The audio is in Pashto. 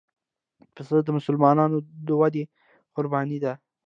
پسه د مسلمانانو دودي قرباني ده.